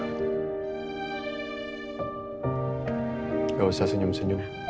nggak usah senyum senyum